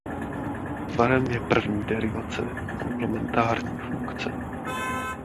Tvarem je první derivace komplementární funkce.